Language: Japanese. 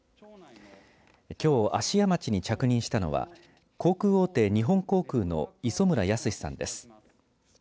きょう芦屋町に着任したのは航空大手、日本航空の磯村康志さんです。